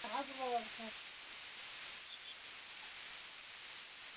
katika nyimbo za wasanii mbalimbali za wasanii wa ndani na nje Baadhi ya nyimbo